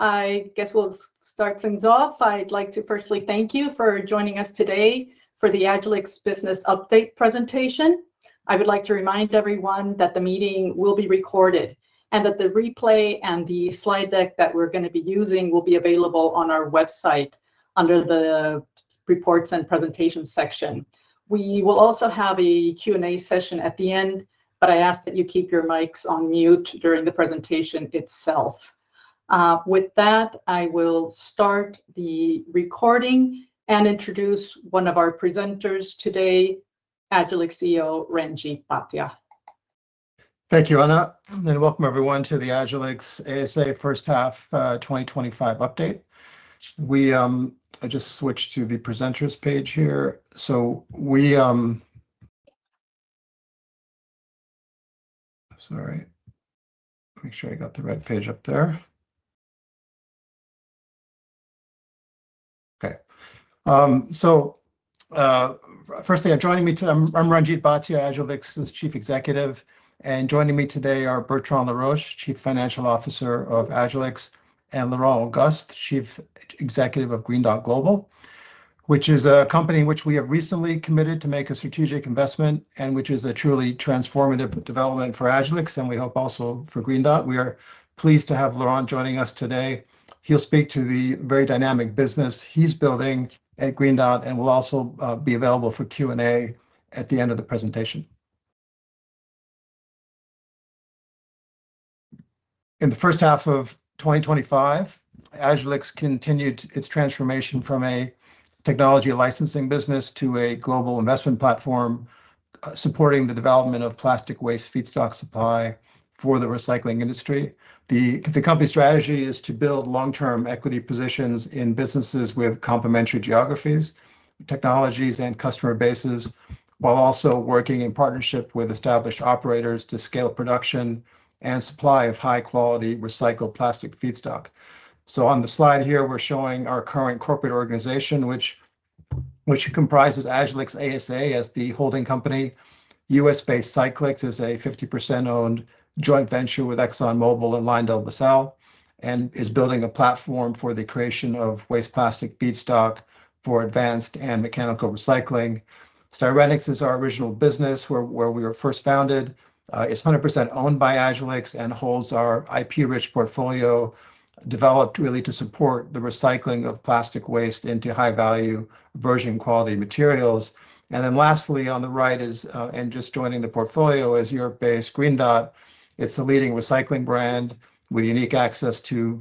I guess we'll start things off. I'd like to firstly thank you for joining us today for the Agilyx Business Update Presentation. I would like to remind everyone that the meeting will be recorded and that the replay and the slide deck that we're going to be using will be available on our website under the Reports and Presentations section. We will also have a Q&A session at the end, but I ask that you keep your mics on mute during the presentation itself. With that, I will start the recording and introduce one of our presenters today, Agilyx CEO Ranjeet Bhatia. Thank you, Ana, and welcome everyone to the Agilyx ASA First Half 2025 Update. I just switched to the presenters page here. Make sure I got the right page up there. Okay. Firstly, joining me today, I'm Ranjeet Bhatia, Agilyx's Chief Executive, and joining me today are Bertrand Laroche, Chief Financial Officer of Agilyx, and Laurent Auguste, Chief Executive of Green Dot Global, which is a company in which we have recently committed to make a strategic investment and which is a truly transformative development for Agilyx and we hope also for Green Dot. We are pleased to have Laurent joining us today. He'll speak to the very dynamic business he's building at Green Dot and will also be available for Q&A at the end of the presentation. In the first half of 2025, Agilyx continued its transformation from a technology licensing business to a global investment platform supporting the development of plastic waste feedstock supply for the recycling industry. The company's strategy is to build long-term equity positions in businesses with complementary geographies, technologies, and customer bases, while also working in partnership with established operators to scale production and supply of high-quality recycled plastic feedstock. On the slide here, we're showing our current corporate organization, which comprises Agilyx ASA as the holding company, U.S.-based Cyclyx as a 50% owned joint venture with ExxonMobil and LyondellBasell, and is building a platform for the creation of waste plastic feedstock for advanced and mechanical recycling. Styrenyx is our original business where we were first founded. It's 100% owned by Agilyx and holds our IP-rich portfolio developed really to support the recycling of plastic waste into high-value virgin quality materials. Lastly, on the right is, and just joining the portfolio, is Europe-based Green Dot. It's the leading recycling brand with unique access to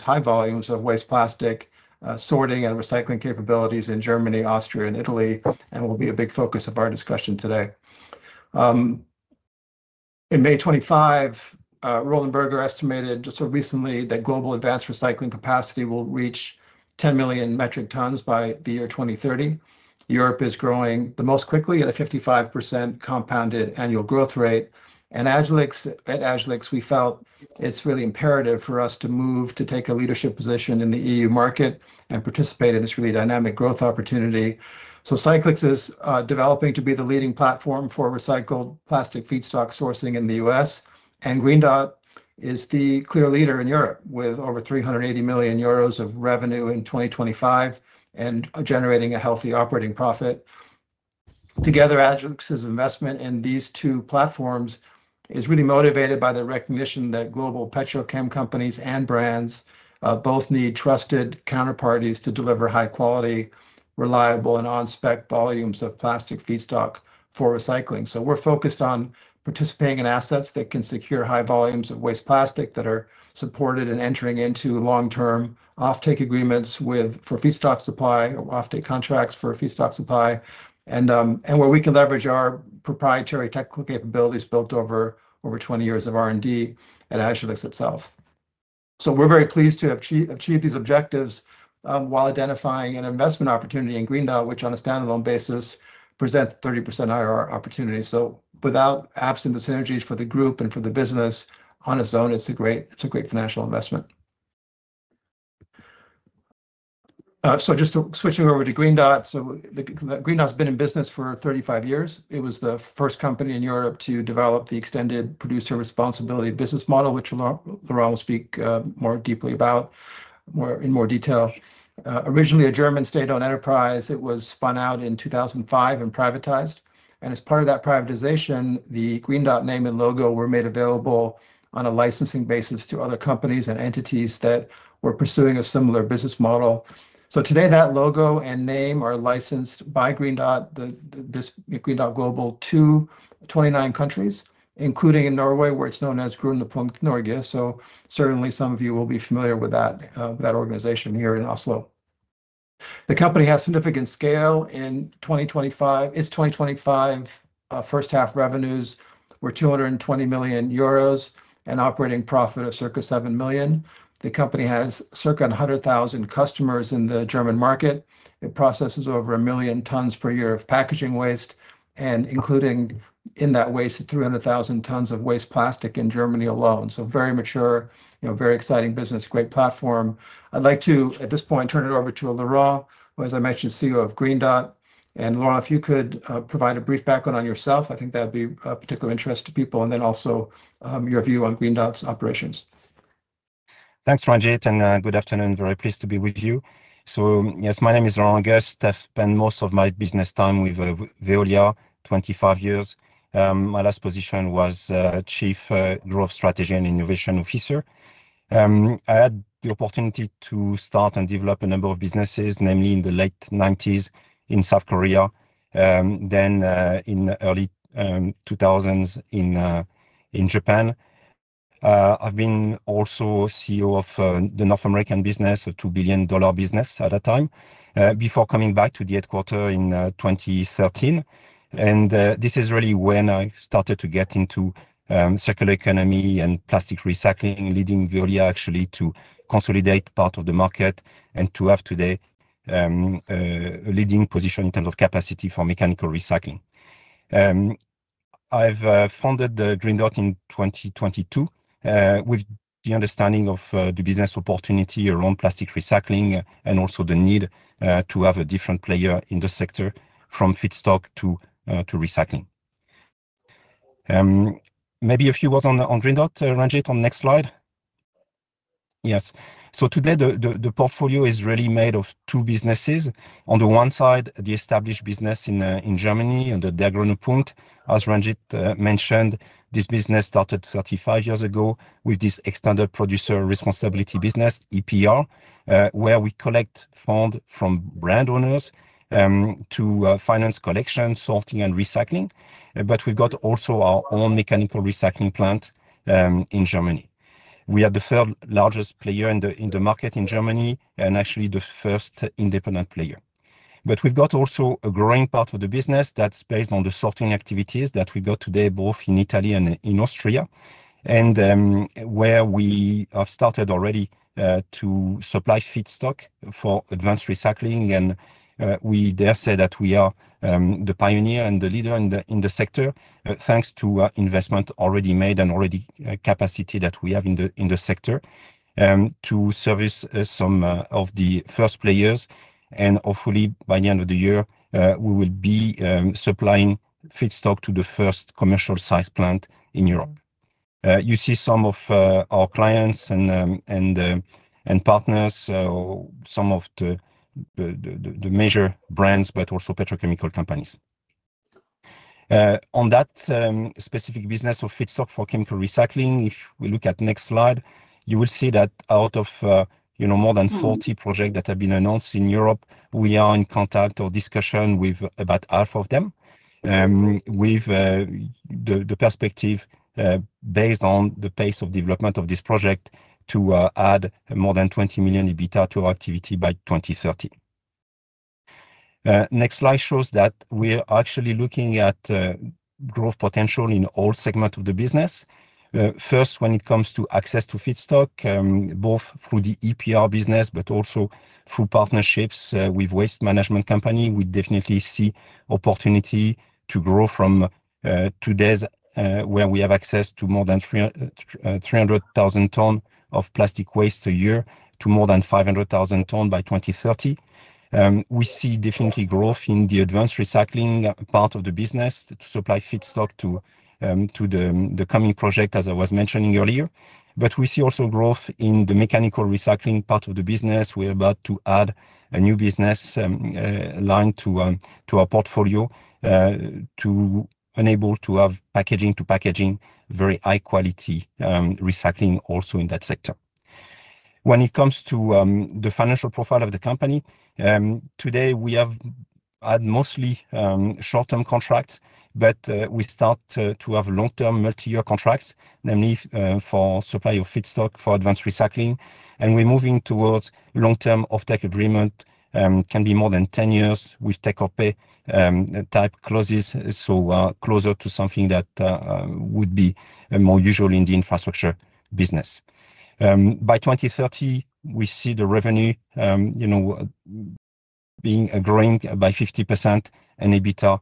high volumes of waste plastic sorting and recycling capabilities in Germany, Austria, and Italy, and will be a big focus of our discussion today. In May 2025, Roland Berger estimated just recently that global advanced recycling capacity will reach 10 million metric tons by the year 2030. Europe is growing the most quickly at a 55% compounded annual growth rate. At Agilyx, we felt it's really imperative for us to move to take a leadership position in the EU market and participate in this really dynamic growth opportunity. Cyclyx is developing to be the leading platform for recycled plastic feedstock sourcing in the U.S., and Green Dot is the clear leader in Europe with over 380 million euros of revenue in 2025 and generating a healthy operating profit. Agilyx's investment in these two platforms is really motivated by the recognition that global petrochem companies and brands both need trusted counterparties to deliver high-quality, reliable, and on-spec volumes of plastic feedstock for recycling. We're focused on participating in assets that can secure high volumes of waste plastic that are supported and entering into long-term offtake agreements for feedstock supply, offtake contracts for feedstock supply, and where we can leverage our proprietary technical capabilities built over over 20 years of R&D at Agilyx itself. We're very pleased to have achieved these objectives while identifying an investment opportunity in Green Dot, which on a standalone basis presents a 30% IRR opportunity. Absent the synergies for the group and for the business on its own, it's a great financial investment. Switching over to Green Dot, Green Dot's been in business for 35 years. It was the first company in Europe to develop the extended producer responsibility business model, which Laurent will speak more deeply about in more detail. Originally a German state-owned enterprise, it was spun out in 2005 and privatized. As part of that privatization, the Green Dot name and logo were made available on a licensing basis to other companies and entities that were pursuing a similar business model. Today that logo and name are licensed by Green Dot, this Green Dot Global, to 29 countries, including in Norway where it's known as Grønne Fond Norge. Certainly some of you will be familiar with that organization here in Oslo. The company has significant scale in 2025. Its 2025 first half revenues were 220 million euros and operating profit of circa 7 million. The company has circa 100,000 customers in the German market. It processes over a million tons per year of packaging waste, and including in that waste is 300,000 tons of waste plastic in Germany alone. Very mature, very exciting business, great platform. I'd like to, at this point, turn it over to Laurent, who as I mentioned is CEO of Green Dot. Laurent, if you could provide a brief background on yourself, I think that'd be of particular interest to people, and then also your view on Green Dot's operations. Thanks, Ranjeet, and good afternoon. Very pleased to be with you. Yes, my name is Laurent Auguste. I've spent most of my business time with Veolia for 25 years. My last position was Chief Growth Strategy and Innovation Officer. I had the opportunity to start and develop a number of businesses, namely in the late 1990s in South Korea, then in the early 2000s in Japan. I've been also CEO of the North American business, a $2 billion business at that time, before coming back to the headquarters in 2013. This is really when I started to get into the circular economy and plastic recycling, leading Veolia actually to consolidate part of the market and to have today a leading position in terms of capacity for mechanical recycling. I founded Green Dot in 2022 with the understanding of the business opportunity around plastic recycling and also the need to have a different player in the sector from feedstock to recycling. Maybe a few words on Green Dot, Ranjeet, on the next slide. Yes. Today the portfolio is really made of two businesses. On the one side, the established business in Germany, the Der Grüne Punkt. As Ranjeet mentioned, this business started 35 years ago with this extended producer responsibility business, EPR, where we collect funds from brand owners to finance collection, sorting, and recycling. We've got also our own mechanical recycling plant in Germany. We are the third largest player in the market in Germany and actually the first independent player. We've got also a growing part of the business that's based on the sorting activities that we've got today both in Italy and in Austria, and where we have started already to supply feedstock for advanced recycling. We dare say that we are the pioneer and the leader in the sector thanks to investment already made and already capacity that we have in the sector to service some of the first players. Hopefully, by the end of the year, we will be supplying feedstock to the first commercial size plant in Europe. You see some of our clients and partners, some of the major brands, but also petrochemical companies. On that specific business of feedstock for chemical recycling, if we look at the next slide, you will see that out of more than 40 projects that have been announced in Europe, we are in contact or discussion with about half of them with the perspective based on the pace of development of this project to add more than $20 million EBITDA to our activity by 2030. Next slide shows that we are actually looking at growth potential in all segments of the business. First, when it comes to access to feedstock, both through the EPR business, but also through partnerships with waste management companies, we definitely see opportunity to grow from today where we have access to more than 300,000 tons of plastic waste a year to more than 500,000 tons by 2030. We see definitely growth in the advanced recycling part of the business to supply feedstock to the coming project, as I was mentioning earlier. We see also growth in the mechanical recycling part of the business. We're about to add a new business line to our portfolio to enable packaging to packaging very high-quality recycling also in that sector. When it comes to the financial profile of the company, today we have had mostly short-term contracts, but we start to have long-term multi-year contracts, namely for supply of feedstock for advanced recycling. We're moving towards long-term offtake agreements, can be more than 10 years with takeoff pay type clauses, so closer to something that would be more usual in the infrastructure business. By 2030, we see the revenue being growing by 50% and EBITDA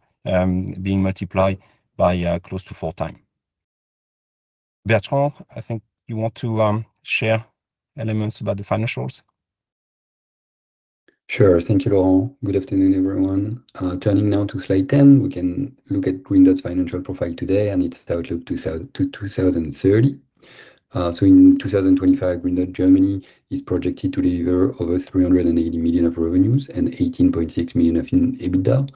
being multiplied by close to four times. Bertrand, I think you want to share elements about the financials? Sure. Thank you, Laurent. Good afternoon, everyone. Turning now to slide 10, we can look at Green Dot's financial profile today and its outlook to 2030. In 2025, Green Dot Germany is projected to deliver over 380 million of revenues and 18.6 million of EBITDA,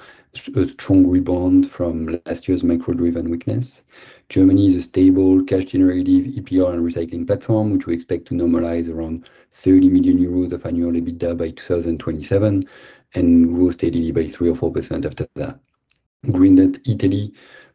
a strong rebound from last year's micro-driven weakness. Germany is a stable cash-generative EPR and recycling platform, which we expect to normalize around 30 million euros of annual EBITDA by 2027 and grow steadily by 3% or 4% after that. Green Dot Italy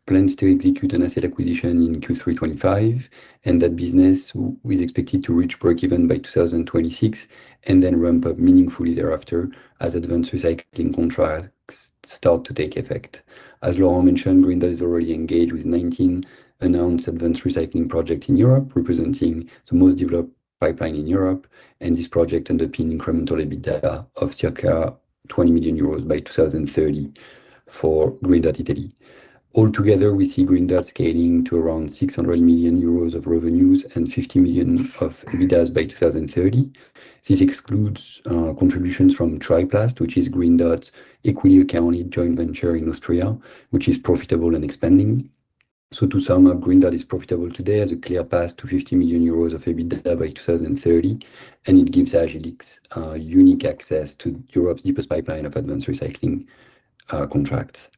plans to execute an asset acquisition in Q3 2025, and that business is expected to reach breakeven by 2026 and then ramp up meaningfully thereafter as advanced recycling contracts start to take effect. As Laurent mentioned, Green Dot is already engaged with 19 announced advanced recycling projects in Europe, representing the most developed pipeline in Europe, and this project underpins incremental EBITDA of circa 20 million euros by 2030 for Green Dot Italy. Altogether, we see Green Dot scaling to around 600 million euros of revenues and 50 million of EBITDA by 2030. This excludes contributions from Triplast, which is Green Dot's equity accounted joint venture in Austria, which is profitable and expanding. To sum up, Green Dot is profitable today, has a clear path to 50 million euros of EBITDA by 2030, and it gives Agilyx unique access to Europe's deepest pipeline of advanced recycling contracts.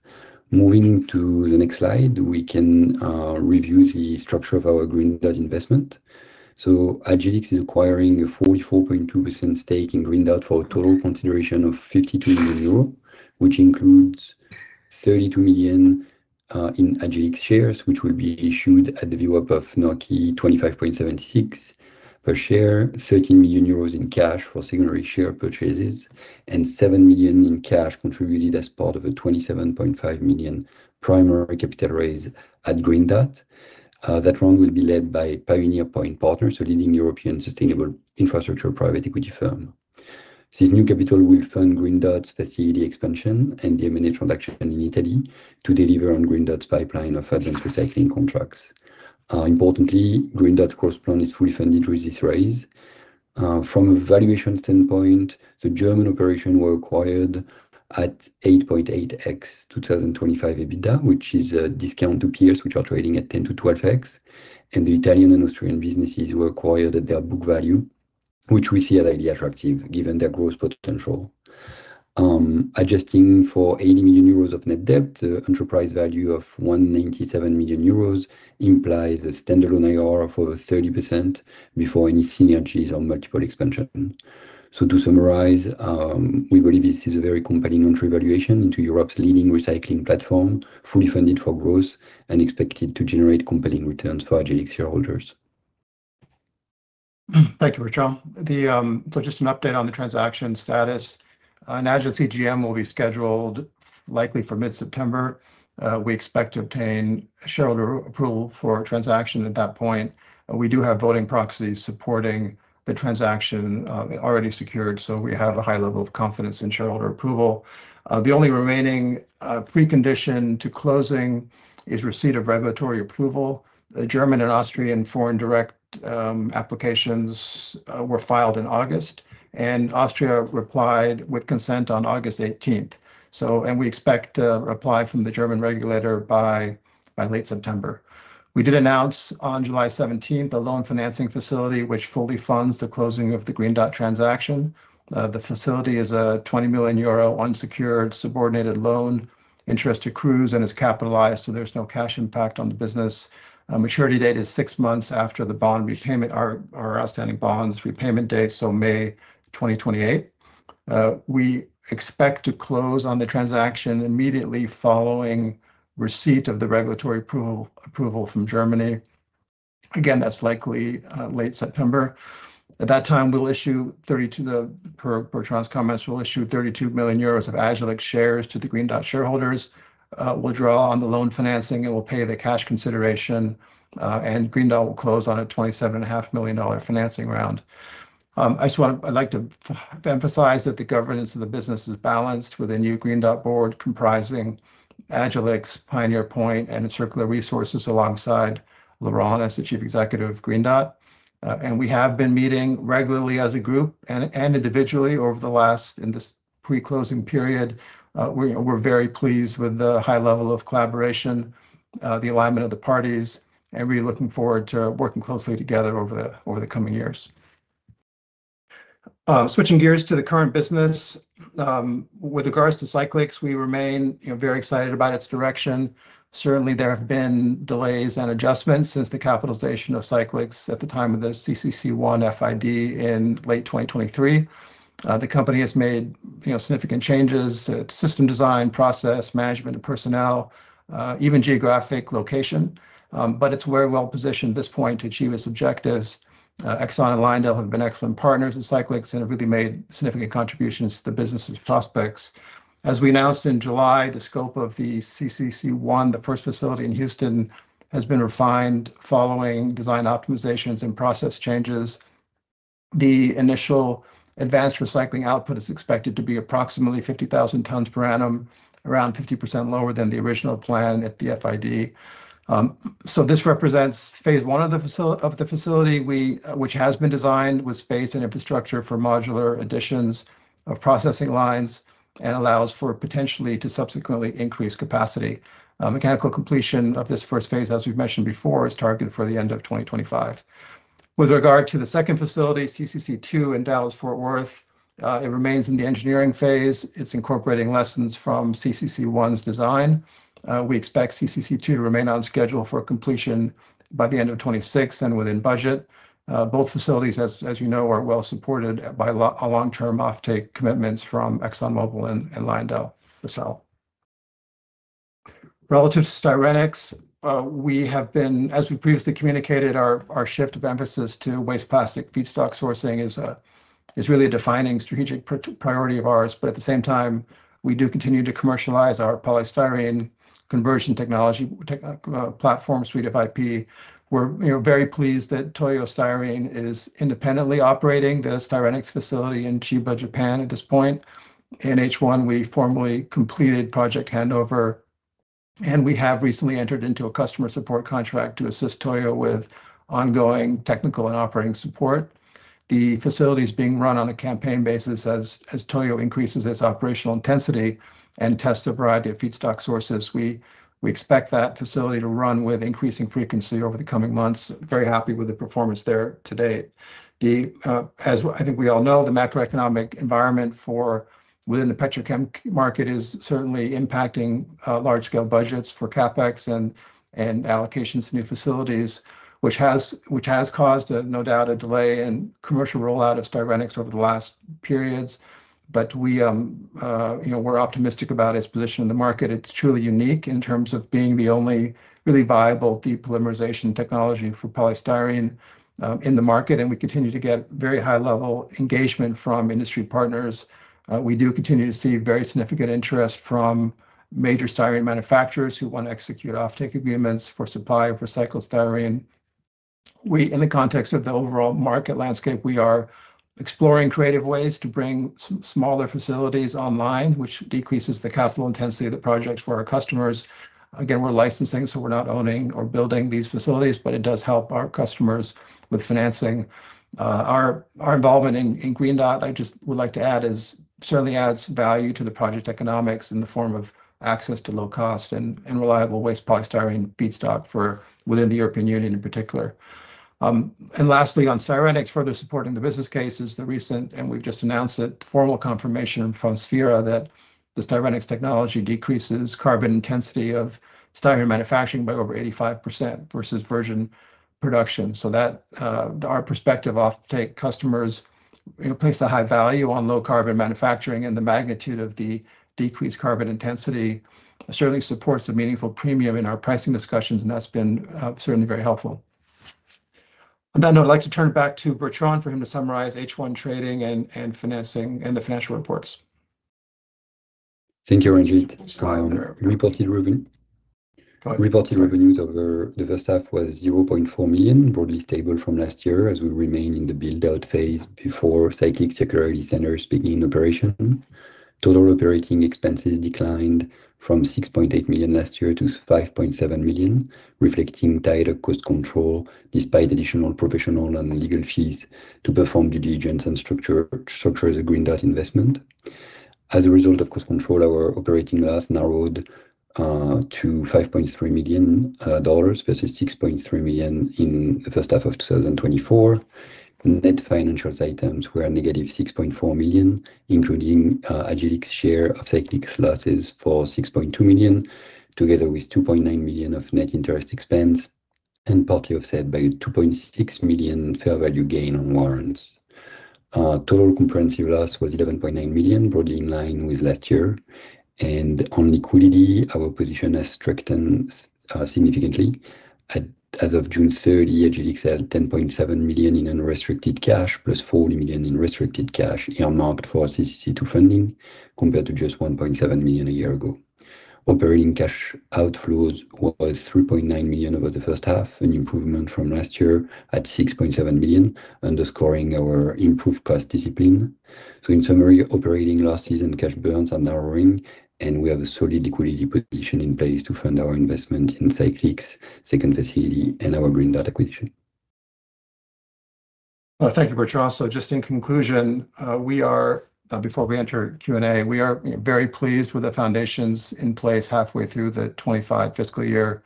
Moving to the next slide, we can review the structure of our Green Dot investment. Agilyx is acquiring a 44.2% stake in Green Dot for a total consideration of 52 million euros, which includes 32 million in Agilyx shares, which will be issued at the VWAP of 25.76 per share, 13 million euros in cash for secondary share purchases, and 7 million in cash contributed as part of a 27.5 million primary capital raise at Green Dot. That round will be led by Pioneer Point Partners, a leading European sustainable infrastructure private equity firm. This new capital will fund Green Dot's ExSTED expansion expansion and the M&A transaction in Italy to deliver on Green Dot's pipeline of advanced recycling contracts. Importantly, Green Dot's gross plan is fully funded with this raise. From a valuation standpoint, the German operation was acquired at 8.8x 2025 EBITDA, which is a discount to peers which are trading at 10x-12x, and the Italian and Austrian businesses were acquired at their book value, which we see as highly attractive given their growth potential. Adjusting for 80 million euros of net debt, the enterprise value of 197 million euros implies a standalone IRR of over 30% before any synergies on multiple expansions. To summarize, we believe this is a very compelling entry valuation into Europe's leading recycling platform, fully funded for growth, and expected to generate compelling returns for Agilyx shareholders. Thank you, Bertrand. Just an update on the transaction status. An Agilyx EGM will be scheduled likely for mid-September. We expect to obtain shareholder approval for the transaction at that point. We do have voting proxies supporting the transaction already secured, so we have a high level of confidence in shareholder approval. The only remaining precondition to closing is receipt of regulatory approval. The German and Austrian foreign direct applications were filed in August, and Austria replied with consent on August 18. We expect a reply from the German regulator by late September. We announced on July 17 a loan financing facility which fully funds the closing of the Green Dot transaction. The facility is a 20 million euro unsecured subordinated loan. Interest accrues and is capitalized, so there's no cash impact on the business. Maturity date is six months after the bond repayment, our outstanding bonds repayment date, so May 2028. We expect to close on the transaction immediately following receipt of the regulatory approval from Germany, likely late September. At that time, we'll issue 32 million euros of Agilyx shares to the Green Dot shareholders. We'll draw on the loan financing and we'll pay the cash consideration, and Green Dot will close on a $27.5 million financing round. I'd like to emphasize that the governance of the business is balanced with a new Green Dot board comprising Agilyx, Pioneer Point Partners, and Circular Resources alongside Laurent as the Chief Executive of Green Dot. We have been meeting regularly as a group and individually over the last, in this pre-closing period. We're very pleased with the high level of collaboration, the alignment of the parties, and really looking forward to working closely together over the coming years. Switching gears to the current business, with regards to Cyclyx, we remain very excited about its direction. Certainly, there have been delays and adjustments since the capitalization of Cyclyx at the time of the CCC1 FID in late 2023. The company has made significant changes to system design, process, management, and personnel, even geographic location. It's very well positioned at this point to achieve its objectives. ExxonMobil and LyondellBasell have been excellent partners in Cyclyx and have really made significant contributions to the business's prospects. As we announced in July, the scope of the CCC1, the first facility in Houston, has been refined following design optimizations and process changes. The initial advanced recycling output is expected to be approximately 50,000 tons per annum, around 50% lower than the original plan at the FID. This represents phase I of the facility, which has been designed with space and infrastructure for modular additions of processing lines and allows for potentially to subsequently increase capacity. Mechanical completion of this first phase, as we've mentioned before, is targeted for the end of 2025. With regard to the second facility, CCC2 in Dallas-Fort Worth, it remains in the engineering phase. It's incorporating lessons from CCC1's design. We expect CCC2 to remain on schedule for completion by the end of 2026 and within budget. Both facilities, as you know, are well supported by long-term offtake commitments from ExxonMobil and LyondellBasell. Relative to Styrenyx, as we previously communicated, our shift of emphasis to waste plastic feedstock sourcing is really a defining strategic priority of ours, but at the same time, we do continue to commercialize our polystyrene conversion technology platform suite of IP. We're very pleased that Toyo Styrene is independently operating the Styrenyx facility in Chiba, Japan, at this point. In H1, we formally completed project handover, and we have recently entered into a customer support contract to assist Toyo with ongoing technical and operating support. The facility is being run on a campaign basis as Toyo increases its operational intensity and tests a variety of feedstock sources. We expect that facility to run with increasing frequency over the coming months. Very happy with the performance there to date. As I think we all know, the macroeconomic environment within the petrochem market is certainly impacting large-scale budgets for CapEx and allocations to new facilities, which has caused, no doubt, a delay in commercial rollout of Styrenyx over the last periods. We're optimistic about its position in the market. It's truly unique in terms of being the only really viable depolymerization technology for polystyrene in the market, and we continue to get very high-level engagement from industry partners. We do continue to see very significant interest from major styrene manufacturers who want to execute offtake agreements for supply of recycled styrene. In the context of the overall market landscape, we are exploring creative ways to bring smaller facilities online, which decreases the capital intensity of the project for our customers. Again, we're licensing, so we're not owning or building these facilities, but it does help our customers with financing. Our involvement in Green Dot, I just would like to add, certainly adds value to the project economics in the form of access to low-cost and reliable waste polystyrene feedstock within the European Union in particular. Lastly, on Styrenyx, further supporting the business cases, the recent, and we've just announced it, formal confirmation from Sphera that the Styrenyx technology decreases carbon intensity of styrene manufacturing by over 85% versus virgin production. Our perspective off-take customers place a high value on low-carbon manufacturing, and the magnitude of the decreased carbon intensity certainly supports a meaningful premium in our pricing discussions, and that's been certainly very helpful. On that note, I'd like to turn it back to Bertrand for him to summarize H1 trading and financing and the financial reports. Thank you, Ranjeet. Reported revenues of the first half were $0.4 million, broadly stable from last year as we remain in the build-out phase before Cyclyx circularity centers begin operation. Total operating expenses declined from $6.8 million last year to $5.7 million, reflecting tighter cost control despite additional professional and legal fees to perform due diligence and structure the Green Dot investment. As a result of cost control, our operating loss narrowed to $5.3 million versus $6.3 million in the first half of 2024. Net financial items were -$6.4 million, including Agilyx's share of Cyclyx losses for $6.2 million, together with $2.9 million of net interest expense and partly offset by $2.6 million fair value gain on warrants. Total comprehensive loss was $11.9 million, broadly in line with last year. On liquidity, our position has strengthened significantly. As of June 30, Agilyx held $10.7 million in unrestricted cash plus $40 million in restricted cash earmarked for CCC2 funding compared to just $1.7 million a year ago. Operating cash outflows were $3.9 million over the first half, an improvement from last year at $6.7 million, underscoring our improved cost discipline. In summary, operating losses and cash burns are narrowing, and we have a solid equity position in place to fund our investment in Cyclyx's second facility and our Green Dot Global acquisition. Thank you, Bertrand. Just in conclusion, before we enter Q&A, we are very pleased with the foundations in place halfway through the 2025 fiscal year.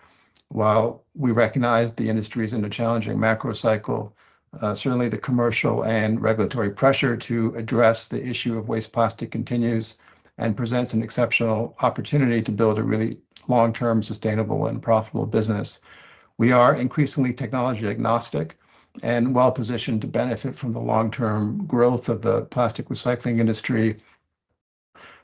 While we recognize the industry is in a challenging macro cycle, certainly the commercial and regulatory pressure to address the issue of waste plastic continues and presents an exceptional opportunity to build a really long-term, sustainable, and profitable business. We are increasingly technology-agnostic and well-positioned to benefit from the long-term growth of the plastic recycling industry.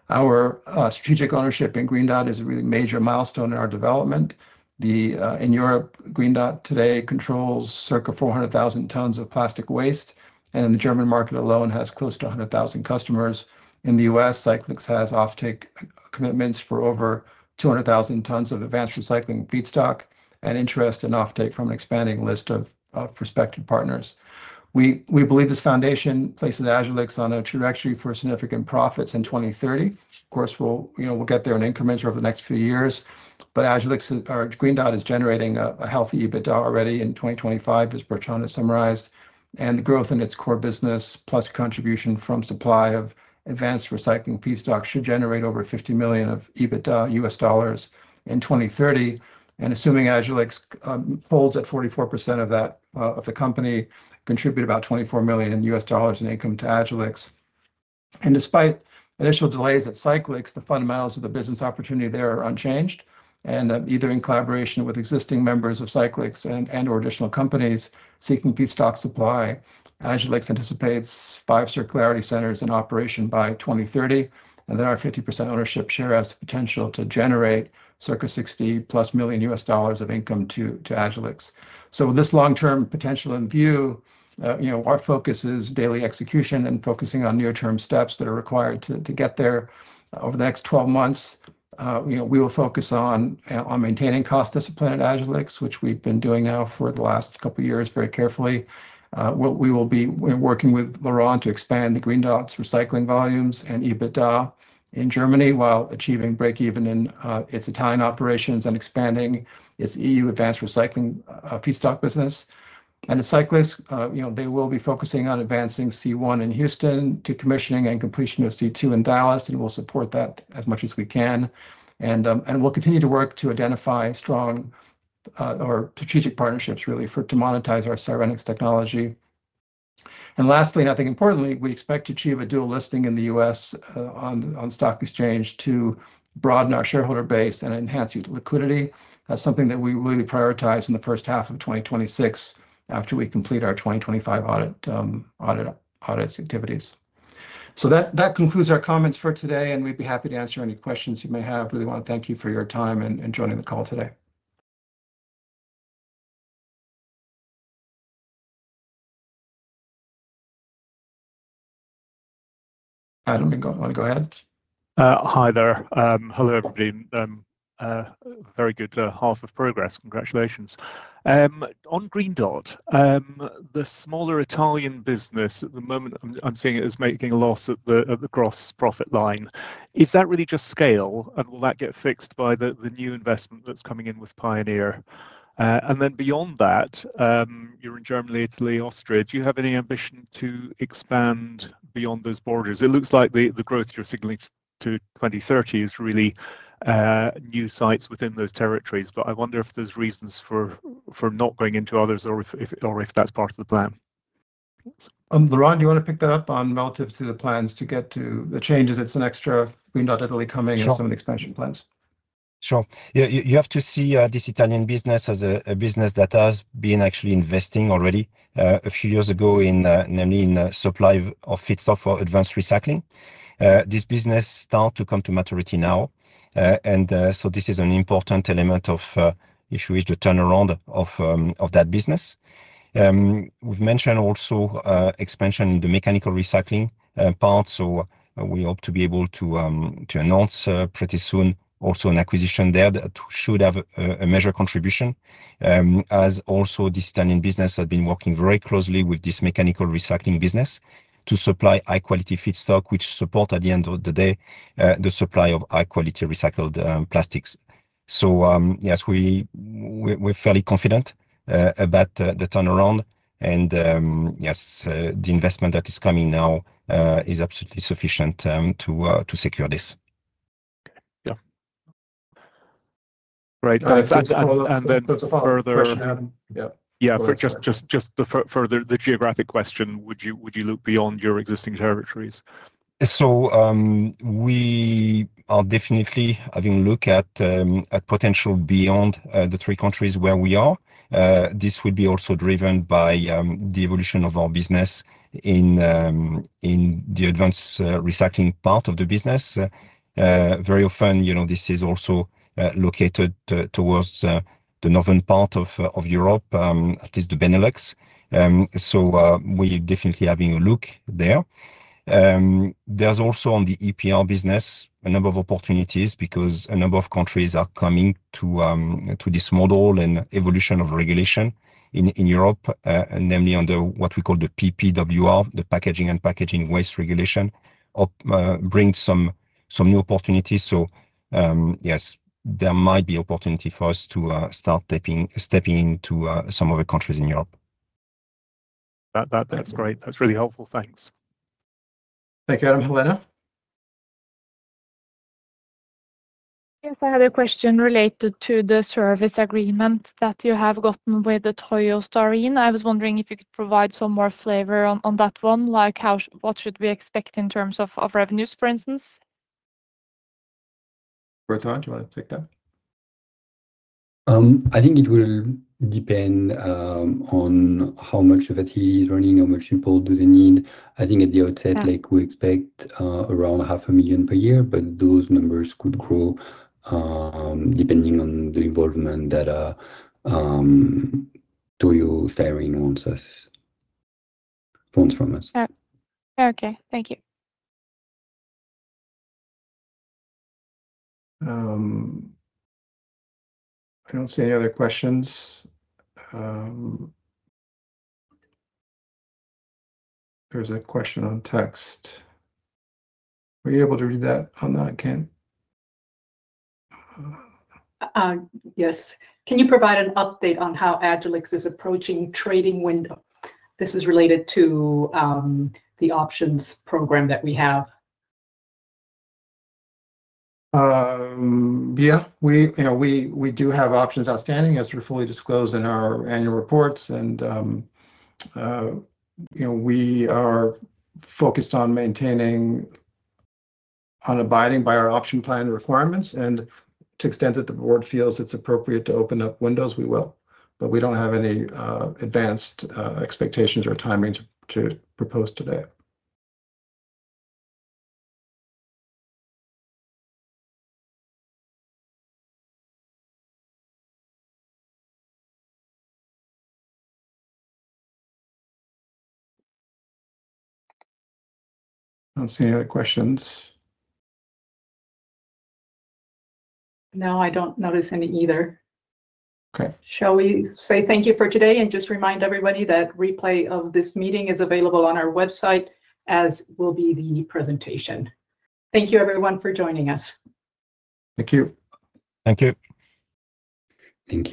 Our strategic ownership in Green Dot is a really major milestone in our development. In Europe, Green Dot today controls circa 400,000 tons of plastic waste, and in the German market alone, it has close to 100,000 customers. In the U.S., Cyclyx has offtake commitments for over 200,000 tons of advanced recycling feedstock and interest in offtake from an expanding list of prospective partners. We believe this foundation places Agilyx on a trajectory for significant profits in 2030. Of course, we'll get there in increments over the next few years, but Agilyx's Green Dot is generating a healthy EBITDA already in 2025, as Bertrand has summarized, and the growth in its core business plus contribution from supply of advanced recycling feedstock should generate over $50 million of EBITDA in 2030. Assuming Agilyx holds at 44% of the company, this would contribute about $24 million in income to Agilyx. Despite initial delays at Cyclyx, the fundamentals of the business opportunity there are unchanged, and either in collaboration with existing members of Cyclyx and/or additional companies seeking feedstock supply, Agilyx anticipates five circularity centers in operation by 2030, and then our 50% ownership share has the potential to generate circa $60+ million of income to Agilyx. With this long-term potential in view, our focus is daily execution and focusing on near-term steps that are required to get there. Over the next 12 months, we will focus on maintaining cost discipline at Agilyx, which we've been doing now for the last couple of years very carefully. We will be working with Laurent to expand Green Dot's recycling volumes and EBITDA in Germany while achieving breakeven in its Italian operations and expanding its EU advanced recycling feedstock business. At Cyclyx, they will be focusing on advancing CCC1 in Houston to commissioning and completion of CCC2 in Dallas, and we'll support that as much as we can. We'll continue to work to identify strong or strategic partnerships, really, to monetize our Styrenyx technology. Lastly, and I think importantly, we expect to achieve a dual US listing on the stock exchange to broaden our shareholder base and enhance liquidity, something that we really prioritize in the first half of 2026 after we complete our 2025 audit activities. That concludes our comments for today, and we'd be happy to answer any questions you may have. Really want to thank you for your time and joining the call today. All right, let me go. Want to go ahead? Hi there. Hello everybody. Very good half of progress. Congratulations. On Green Dot, the smaller Italian business at the moment, I'm seeing it is making a loss at the gross profit line. Is that really just scale, and will that get fixed by the new investment that's coming in with Pioneer? Beyond that, you're in Germany, Italy, Austria. Do you have any ambition to expand beyond those borders? It looks like the growth you're signaling to 2030 is really new sites within those territories, but I wonder if there's reasons for not going into others or if that's part of the plan. Laurent, do you want to pick that up relative to the plans to get to the changes? It's an extra Green Dot Italy coming and some of the expansion plans. Sure. You have to see this Italian business as a business that has been actually investing already a few years ago, namely in the supply of feedstock for advanced recycling. This business starts to come to maturity now, and this is an important element of, if you wish, the turnaround of that business. We've mentioned also expansion in the mechanical recycling part. We hope to be able to announce pretty soon also an acquisition there that should have a major contribution, as this Italian business has been working very closely with this mechanical recycling business to supply high-quality feedstock, which supports, at the end of the day, the supply of high-quality recycled plastics. Yes, we're fairly confident about the turnaround, and yes, the investment that is coming now is absolutely sufficient to secure this. Great. Further question, just for the geographic question, would you look beyond your existing territories? We are definitely having a look at potential beyond the three countries where we are. This will be also driven by the evolution of our business in the advanced recycling part of the business. Very often, you know, this is also located towards the northern part of Europe, at least the Benelux. We're definitely having a look there. There's also on the EPR business a number of opportunities because a number of countries are coming to this model and evolution of regulation in Europe, namely under what we call the PPWR, the Packaging and Packaging Waste Regulation, brings some new opportunities. Yes, there might be opportunity for us to start stepping into some other countries in Europe. That's great. That's really helpful. Thanks. Thank you, Adam. Helena. Yes, I had a question related to the service agreement that you have gotten with Toyo Styrene. I was wondering if you could provide some more flavor on that one, like what should we expect in terms of revenues, for instance? Bertrand, do you want to take that? I think it will depend on how much of it is running, how much support does it need. I think at the outset, we expect around $0.5 million per year, but those numbers could grow depending on the involvement that Toyo Styrene wants from us. Okay, thank you. I don't see any other questions. There's a question on text. Are you able to read that again? Yes. Can you provide an update on how Agilyx is approaching trading when this is related to the options program that we have? Yeah. We do have options outstanding, as we fully disclose in our annual reports, and we are focused on maintaining and abiding by our option plan requirements. To the extent that the board feels it's appropriate to open up windows, we will. We don't have any advanced expectations or timings to propose today. I don't see any other questions. No, I don't notice any either. Okay. Shall we say thank you for today and just remind everybody that a replay of this meeting is available on our website, as will be the presentation. Thank you, everyone, for joining us. Thank you. Thank you. Thank you.